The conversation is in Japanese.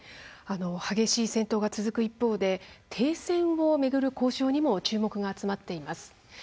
激しい戦闘が続く一方で停戦を巡る交渉にも注目が集まっています。